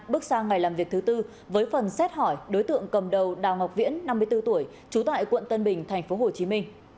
bước sang ngày làm việc thứ tư với phần xét hỏi đối tượng cầm đầu đào ngọc viễn năm mươi bốn tuổi trú tại quận tân bình tp hcm